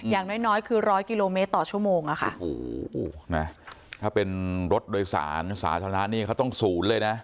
อย่างน้อยน้อยคือร้อยกิโลเมตรต่อชั่วโมงอะค่ะโอ้โหนะถ้าเป็นรถโดยสารสาธารณะนี่เขาต้องศูนย์เลยนะ